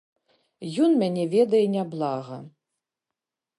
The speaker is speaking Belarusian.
Ён мяне ведае няблага.